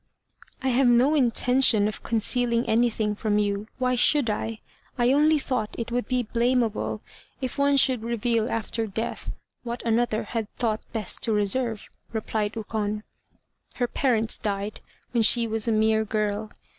"I have no intention of concealing anything from you. Why should I? I only thought it would be blamable if one should reveal after death what another had thought best to reserve," replied Ukon. "Her parents died when she was a mere girl.